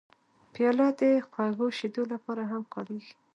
پیاله د خوږو شیدو لپاره هم کارېږي.